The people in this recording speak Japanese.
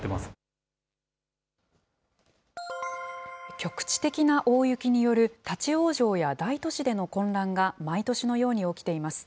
局地的な大雪による立往生や大都市での混乱が毎年のように起きています。